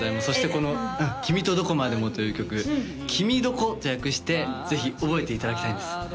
そしてこの「君とどこまでも」という曲「君どこ」と略してぜひ覚えていただきたいんです